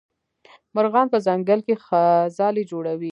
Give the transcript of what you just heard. مرغان په ځنګل کې ځالې جوړوي.